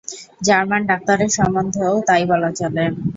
German ডাক্তারের সম্বন্ধেও তাই বলা চলে।